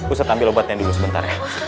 usah ambil obatnya dulu sebentar ya